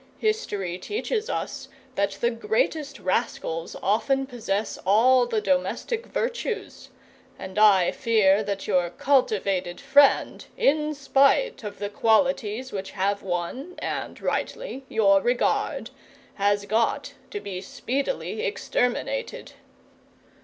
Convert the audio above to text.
History teaches us that the greatest rascals often possess all the domestic virtues; and I fear that your cultivated friend, in spite of the qualities which have won (and rightly) your regard, has got to be speedily exterminated."